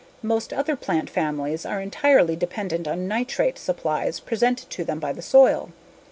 Most other plant families are entirely dependent on nitrate supplies presented to them by the soil.